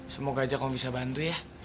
semoga aja kamu bisa bantu ya